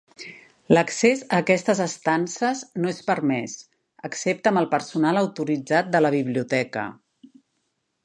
L'accés a aquestes estances no és permès, excepte amb el personal autoritzat de la Biblioteca.